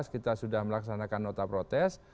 kita sudah melaksanakan nota protes